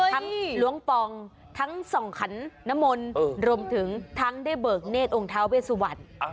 ทั้งล้วงปองทั้งส่องขันนมลรวมถึงทั้งได้เบิกเนธองค์ท้าเวสวรรณ